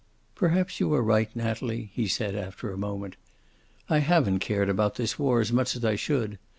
"Perhaps you are right, Natalie," he said, after a moment. "I haven't cared about this war as much as I should.